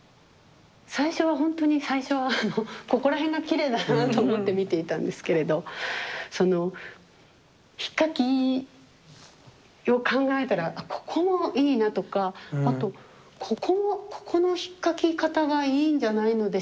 最初はほんとに最初はあのここら辺がきれいだなと思って見ていたんですけれどそのひっかきを考えたらここもいいなとかあとここもここのひっかき方がいいんじゃないのでしょうかとか思うし。